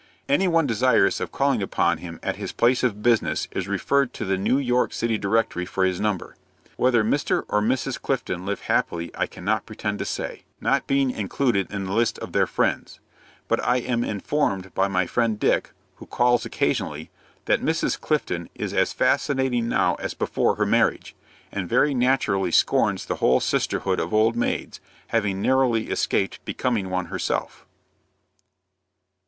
Any one desirous of calling upon him at his place of business is referred to the New York City Directory for his number. Whether Mr. and Mrs. Clifton live happily I cannot pretend to say, not being included in the list of their friends; but I am informed by my friend Dick, who calls occasionally, that Mrs. Clifton is as fascinating now as before her marriage, and very naturally scorns the whole sisterhood of old maids, having narrowly escaped becoming one herself.